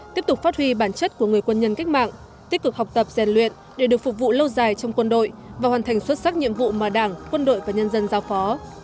tiếp tục phát huy bản chất của người quân nhân cách mạng tích cực học tập rèn luyện để được phục vụ lâu dài trong quân đội và hoàn thành xuất sắc nhiệm vụ mà đảng quân đội và nhân dân giao phó